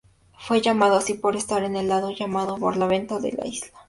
Fue llamado así por estar en el lado llamado "barlovento" de la isla.